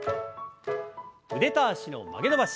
腕と脚の曲げ伸ばし。